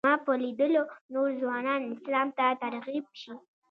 زما په لیدلو نور ځوانان اسلام ته ترغیب شي.